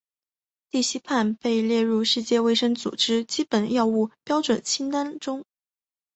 地西泮被列入世界卫生组织基本药物标准清单中。